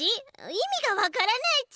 いみがわからないち。